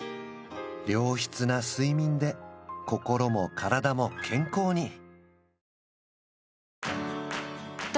良質な睡眠で心も体も健康に